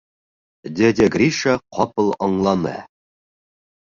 Дядя Гриша ҡапыл аңланы: